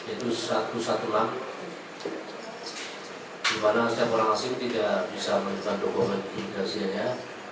itu satu satulah di mana setiap orang asing tidak bisa menipu dokumen imigrasinya